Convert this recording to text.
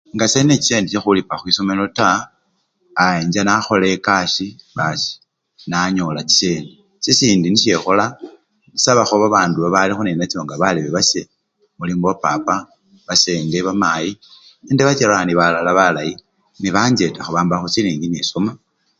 Nga sendi nechisendi chekhulipa khwisomelo taa, aa! encha nakhola ekasii basii nanyola chisendi, sisindi nisyekhola, isabakho babandu balikho nenacho nga balebe base mulimo papa basenge bamayi nende bacherani balala balayi nebanchetakho bambakho chisilingi nesoma.